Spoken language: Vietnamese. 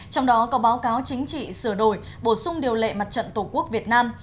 trong đó có báo cáo chính trị sửa đổi bổ sung điều lệ mặt trận tổ quốc việt nam